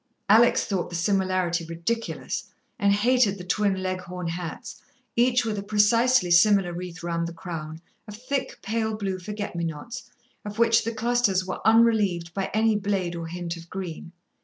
Alex thought the similarity ridiculous, and hated the twin Leghorn hats, each with a precisely similar wreath round the crown, of thick, pale blue forget me nots, of which the clusters were unrelieved by any blade or hint of green.